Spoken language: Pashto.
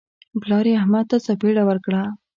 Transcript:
پلار یې احمد ته څپېړه ورکړه.